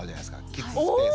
キッズスペース。